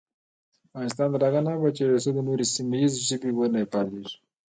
افغانستان تر هغو نه ابادیږي، ترڅو نورې سیمه ییزې ژبې ونه پالیږي.